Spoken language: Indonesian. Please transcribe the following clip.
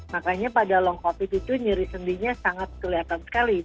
makanya pada long covid itu nyeri sendinya sangat kelihatan sekali